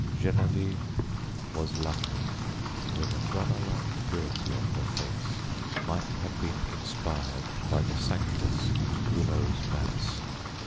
Geneviève was lovely. The Madonna like purity of her face might have been inspired by the Sanctus in Gounod's Mass.